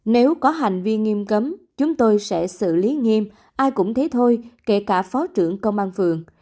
nếu có hành vi nghiêm cấm chúng tôi sẽ xử lý nghiêm ai cũng thế thôi kể cả phó trưởng công an phường